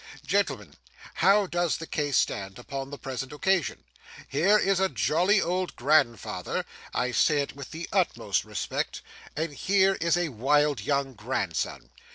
Gentlemen, how does the case stand, upon the present occasion? Here is a jolly old grandfather I say it with the utmost respect and here is a wild, young grandson.